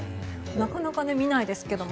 なかなか見ないですけども。